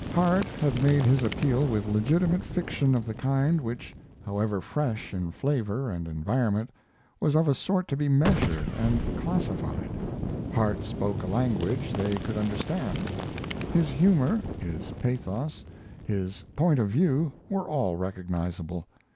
Harte had made his appeal with legitimate fiction of the kind which, however fresh in flavor and environment, was of a sort to be measured and classified. Harte spoke a language they could understand; his humor, his pathos, his point of view were all recognizable.